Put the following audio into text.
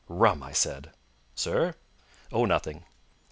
_ "Rum!" I said. "Sir?" "Oh, nothing!"